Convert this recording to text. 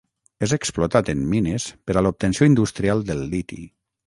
És explotat en mines per a l'obtenció industrial de liti.